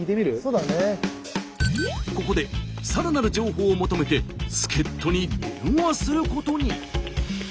ここでさらなる情報を求めて助っとに電話することに。